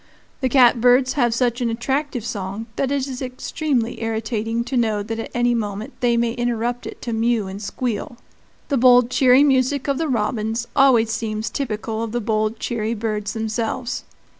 The catbirds have such an attractive song that it is extremely irritating to know that at any moment they may interrupt it to mew and squeal. The bold, cheery music of the robins always seems typical of the bold, cheery birds themselves.